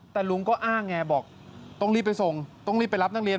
แต่ลุงก็อ้างไงบอกต้องรีบไปส่งต้องรีบไปรับนักเรียน